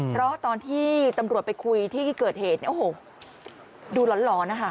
เพราะตอนที่ตำรวจไปคุยที่เกิดเหตุเนี่ยโอ้โหดูหลอนนะคะ